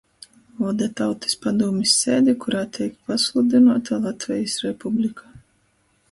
Voda Tautys padūmis sēdi, kurā teik pasludynuota Latvejis Republika,